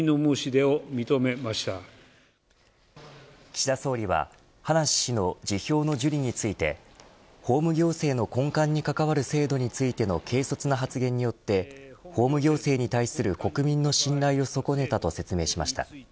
岸田総理は葉梨氏の辞表の受理について法務行政の根幹に関わる制度についての軽率な発言によって公務行政に対する国民の信頼を損ねたと説明しました。